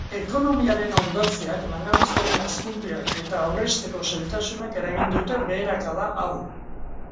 Ekonomiaren hondatzeak, langabeziaren hazkundeak eta aurrezteko zailtasunek eragin dute beherakada hau.